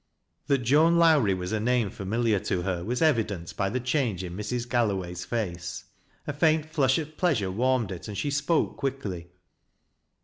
Tliat Joan Lowrie was a name familiar to her was evi dent by the change in Mrs. Galloway's face. A faint flufih of pleasure warmed it, and she spoke quickly.